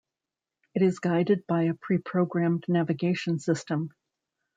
It is guided by a preprogrammed navigation system.